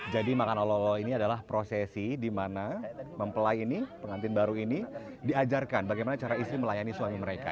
jadi makan olok olok ini adalah prosesi di mana mempelai ini pengantin baru ini diajarkan bagaimana cara istri melayani suami mereka